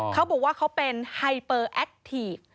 เขาบอกว่าเขาเป็นไฮเปอร์แอคทีฟ